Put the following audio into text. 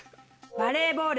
バレーボール！